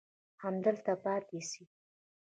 همدلته پاتې سئ.